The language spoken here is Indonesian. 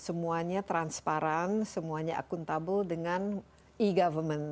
semuanya transparan semuanya akuntabel dengan e government